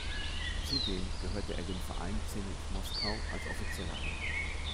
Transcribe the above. Zudem gehörte er dem Verein Zenit Moskau als Offizieller an.